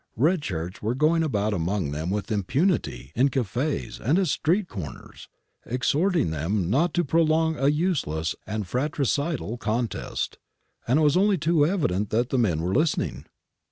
Red shirts were going about among them with impunity in cafes and at street corners, exhort ing them not to prolong a useless and fratricidal contest ; and it was only too evident that the men were listening.